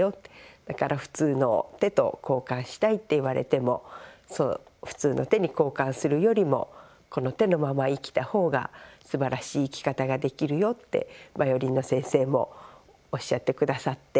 だから普通の手と交換したいって言われても普通の手に交換するよりもこの手のまま生きた方がすばらしい生き方ができるよってバイオリンの先生もおっしゃってくださって。